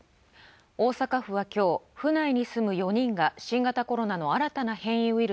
大阪府は今日、府内に住む４人が新型コロナの新たな変異ウイル